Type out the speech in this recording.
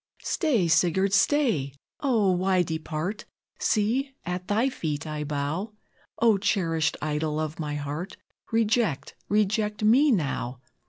"Stay! Sigurd, stay! O, why depart? See, at thy feet I bow; O, cherished idol of my heart, Reject reject me now!"